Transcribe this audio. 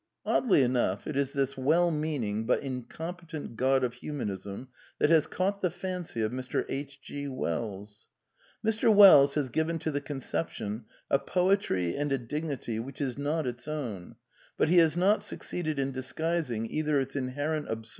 Oddly enough, it is this well meaning but incompetent God of Humanism that has caught the fancy of Mr. H. G. Wells. Mr. Wells has given to the conception a poetry and a dignity which is not its own, but he has not succeeded in 1/7 disguising eit her its inherent «hfl^?